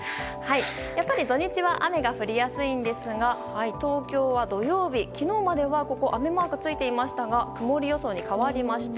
やっぱり土日は雨が降りやすいんですが東京は土曜日昨日まではここ雨マークついていましたが曇り予想に変わりました。